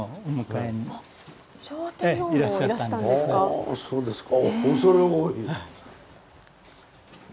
あそうですか。